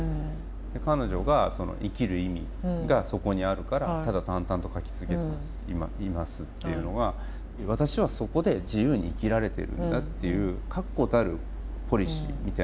彼女が「生きる意味がそこにあるからただ淡々と描き続けています」っていうのは私はそこで自由に生きられてるんだっていう確固たるポリシーみたいなものを感じる。